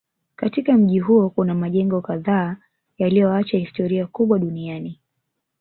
Katika mji huo kuna majengo kadhaa yaliyoacha historia kubwa duniani